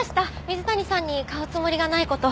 水谷さんに買うつもりがないこと。